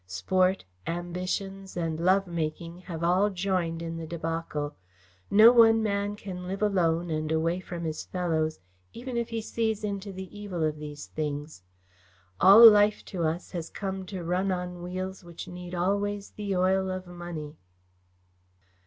Sport, ambitions and love making have all joined in the débâcle. No one man can live alone and away from his fellows, even if he sees into the evil of these things. All life to us has come to run on wheels which need always the oil of money."